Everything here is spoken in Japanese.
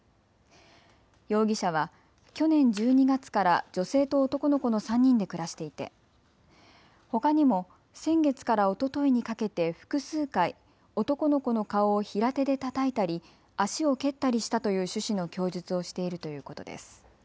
容疑者は去年１２月から女性と男の子の３人で暮らしていてほかにも先月からおとといにかけて複数回、男の子の顔を平手でたたいたり、足を蹴ったりしたという趣旨の供述をしているということです。